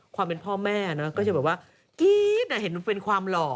ความเป็นพ่อแม่นะก็จะแบบว่ากรี๊ดเห็นเป็นความหล่อ